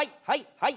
はい。